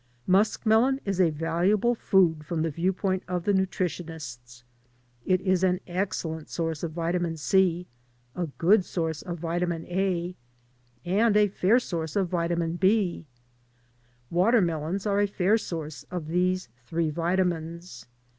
Muskrnelon is a valuable food from the viewpoint of the nutritionists. It is an excellent source of vitamin C, a good source of vitamin A, and a fair source of vitamin B. Watermelons are a fair source of these three vitamins.